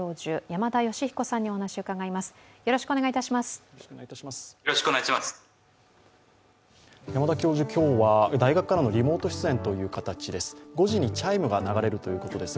山田教授、今日は大学からのリモート出演という形です。